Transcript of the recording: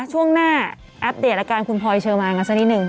ช่วงหน้าอัปเดตอาการคุณพลอยเชอร์มานกันสักนิดนึง